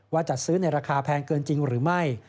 จัดซื้อในราคาแพงเกินจริงหรือไม่